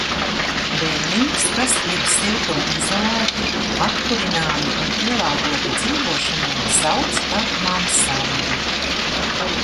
Bēniņus, kas ir siltumizolēti, apkurināmi un pielāgoti dzīvošanai, sauc par mansardu.